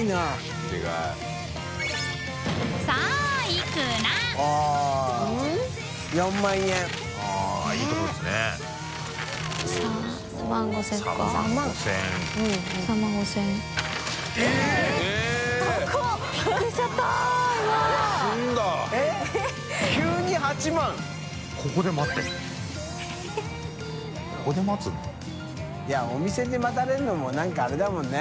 海海蚤圓弔痢いお店で待たれるのもなんかあれだもんね。